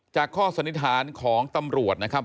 จากข้อสนิทานของตำรวจนะครับ